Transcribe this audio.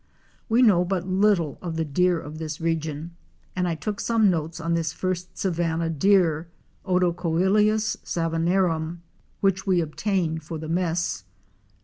We know but little of the deer of this region, and I took some notes on this first Savanna Deer (Odocoileus savan narum) which we obtained for the mess.